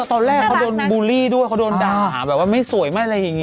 ตอนแรกเขาโดนบูลลี่ด้วยเขาโดนดาวหาแบบว่าไม่สวยไม่อะไรอย่างนี้